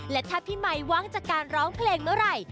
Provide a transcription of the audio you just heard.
และถ้าพี่ไมค์ว้างจากการร้องเพลงเมื่อไหร่